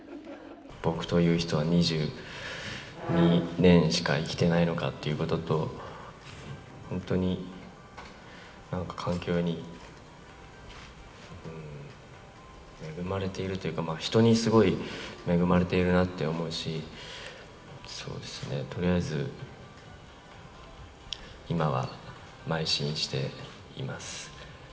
僕という人は２２年しか生きてないのかっていうことと、本当になんか環境に、恵まれているというか、人にすごい恵まれているなって思うし、そうですね、とりあえず今はまい進しています。